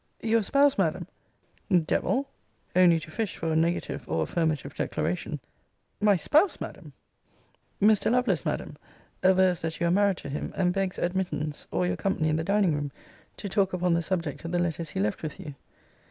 Your SPOUSE, Madam, [Devil! only to fish for a negative or affirmative declaration.] Cl. My spouse, Madam Miss R. Mr. Lovelace, Madam, avers that you are married to him; and begs admittance, or your company in the dining room, to talk upon the subject of the letters he left with you.